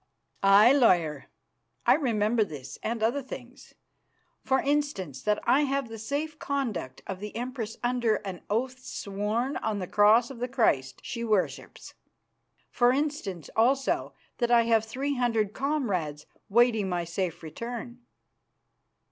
"Aye, lawyer, I remember this and other things. For instance, that I have the safe conduct of the Empress under an oath sworn on the Cross of the Christ she worships. For instance, also, that I have three hundred comrades waiting my safe return."